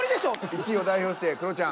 １位を代表してクロちゃん。